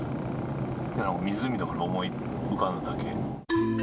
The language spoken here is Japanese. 湖だから思い浮かんだだけ。